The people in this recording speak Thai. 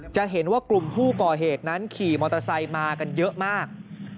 จะเห็นว่ากลุ่มผู้ก่อเหตุนั้นขี่มอเตอร์ไซค์มากันเยอะมาก